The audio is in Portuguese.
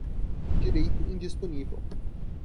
direito indisponível